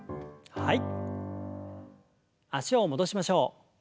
はい。